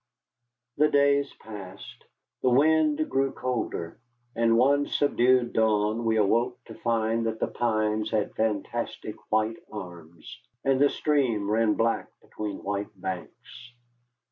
The days passed. The wind grew colder, and one subdued dawn we awoke to find that the pines had fantastic white arms, and the stream ran black between white banks.